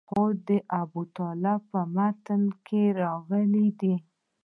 خو د ابوطالب په متن کې راغلي دي.